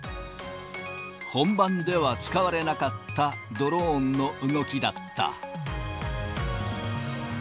本番では使われなかったドローンの動きだった。